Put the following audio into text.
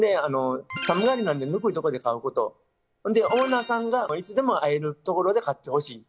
寒がりなのでぬくいところで飼うことオーナーさんが会えるところで飼ってほしいと。